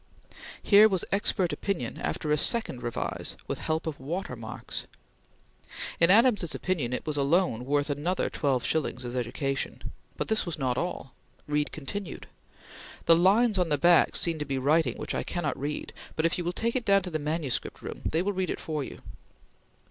Here was expert opinion after a second revise, with help of water marks! In Adams's opinion it was alone worth another twelve shillings as education; but this was not all. Reed continued: "The lines on the back seem to be writing, which I cannot read, but if you will take it down to the manuscript room, they will read it for you."